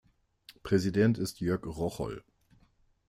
Präsident ist Jörg Rocholl.